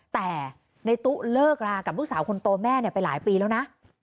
แต่ในตู้เลิกรากับลูกสาวคนโตแม่ไปหลายปีแล้วนะ